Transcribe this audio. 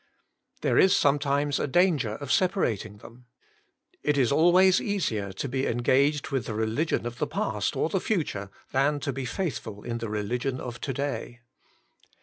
There is sometimes a danger of separating them. It is always easier to be engaged with th^ religion of the past or the future than to be faithful in the religion of to day.